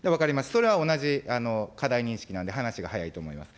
それは同じ課題認識なんで、話が早いと思います。